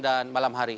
dan malam hari